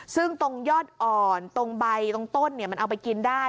ซึ่งตรงยอดอ่อนตรงใบตรงต้นมันเอาไปกินได้